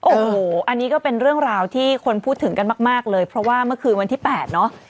โอ้โหอันนี้ก็เป็นเรื่องราวที่คนพูดถึงกันมากเลยเพราะว่าเมื่อคืนวันที่๘เนอะ